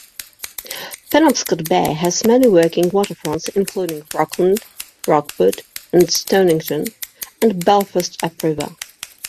Penobscot Bay has many working waterfronts including Rockland, Rockport, and Stonington, and Belfast upriver.